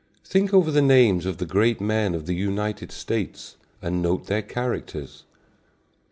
Think over the names of the great men of the United States, and note their characters.